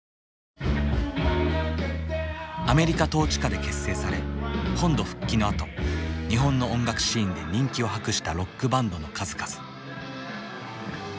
アメリカ統治下で結成され本土復帰のあと日本の音楽シーンで人気を博したロックバンドの数々。